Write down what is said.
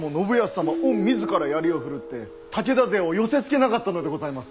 御自ら槍を振るって武田勢を寄せつけなかったのでございます。